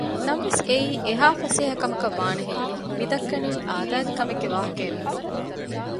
ނަމަވެސް އެއީ އެހާ ފަސޭހަ ކަމަކަށް ވާނެ ހެއްޔެވެ؟ މި ދައްކަނީ އާދައިގެ ކަމެއް ގެ ވާހަކައެއް ނޫން